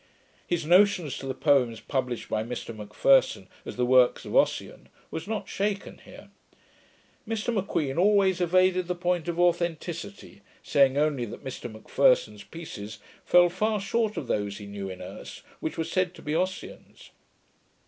His notion as to the poems published by Mr M'Pherson, as the works of Ossian, was not shaken here. Mr M'Queen always evaded the point of authenticity, saying only that Mr M'Pherson's pieces fell far short of those he knew in Erse, which were said to be Ossian's.